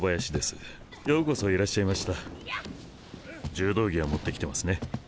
柔道着は持ってきてますね。